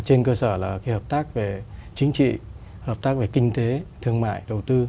trên cơ sở là hợp tác về chính trị hợp tác về kinh tế thương mại đầu tư